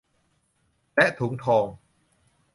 และถุงทอง